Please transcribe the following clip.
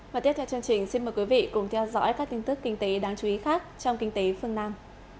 và tiếp theo chương trình xin mời quý vị cùng theo dõi các tin tức kinh tế đáng chú ý khác trong kinh tế phương nam